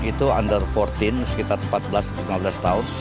itu under empat belas sekitar empat belas lima belas tahun